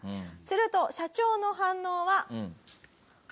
すると社長の反応は。